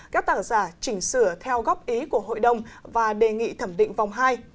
các tác giả chỉnh sửa theo góp ý của hội đồng và đề nghị thẩm định vòng hai